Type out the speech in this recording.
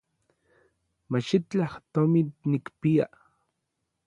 Machitlaj tomin nikpia.